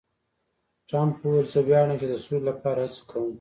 ټرمپ وویل، زه ویاړم چې د سولې لپاره هڅې کوم.